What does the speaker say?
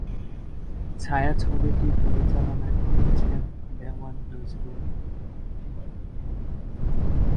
ছায়াছবিটি পরিচালনা করেছেন দেওয়ান নজরুল।